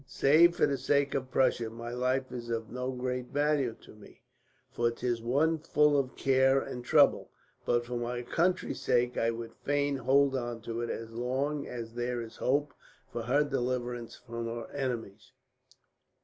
Save for the sake of Prussia, my life is of no great value to me, for 'tis one full of care and trouble; but for my country's sake I would fain hold on to it, as long as there is hope for her deliverance from her enemies.